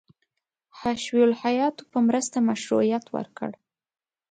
حشوي الهیاتو په مرسته مشروعیت ورکړ.